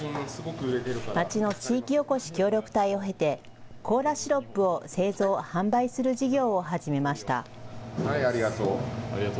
町の地域おこし協力隊を経てコーラシロップを製造・販売する事業を始めました。